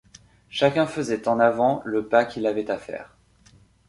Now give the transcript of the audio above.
Chacun faisait en avant le pas qu’il avait à faire.